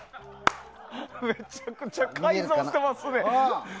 めちゃくちゃ改造してますね。